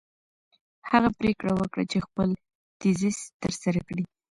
هغې پرېکړه وکړه چې خپل تیزیس ترسره کړي.